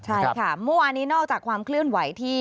ใช่ค่ะเมื่อวานนี้นอกจากความเคลื่อนไหวที่